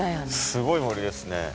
すごい森ですね。